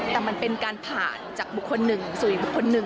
แต่มันเป็นการผ่านจากบุคคลหนึ่งสู่อีกบุคคลหนึ่ง